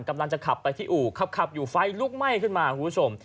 กำลังจะขับไปที่อู่ขับอยู่ไฟลุกไหม้ขึ้นมาคุณผู้ชม